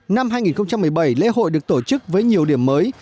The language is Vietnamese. năm hai nghìn một mươi bảy lễ hội được tổ chức với nhiều điểm mới